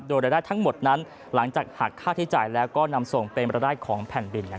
โดยรายได้ทั้งหมดนั้นหลังจากหักค่าใช้จ่ายแล้วก็นำส่งเป็นรายได้ของแผ่นดิน